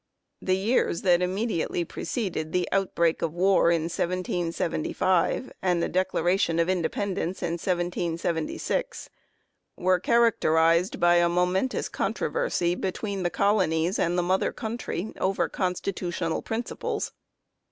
The years that immediately preceded the outbreak of war in 1775 and the Declaration of Independence in 1776 were characterized by a momentous contro versy between the colonies and the mother country over constitutional principles.